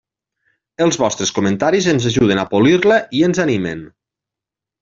Els vostres comentaris ens ajuden a polir-la, i ens animen.